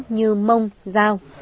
như mông giao